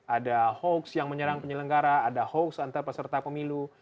ada hoax yang menyerang penyelenggara ada hoax antar peserta pemilu